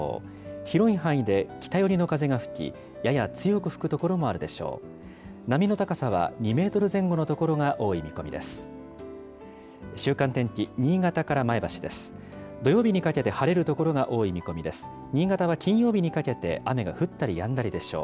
広い範囲で北寄りの風が吹き、やや強く吹く所もあるでしょう。